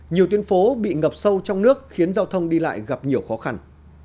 nhiều tuyến phố bị ngập sâu trong nước khiến giao thông đi lại gặp nhiều khó khăn